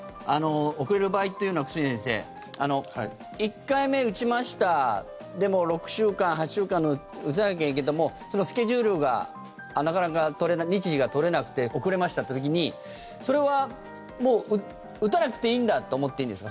遅れる場合というのは、久住先生１回目打ちましたでも６週間、８週間打たなきゃいけないんだけどもスケジュールがなかなか取れない日時が取れなくて遅れましたって時にそれは、もう打たなくていいんだって思っていいんですか？